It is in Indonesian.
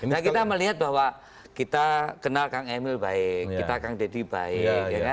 nah kita melihat bahwa kita kenal kang emil baik kita kang deddy baik